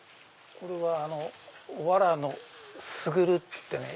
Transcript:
これはわらのすぐるっつってね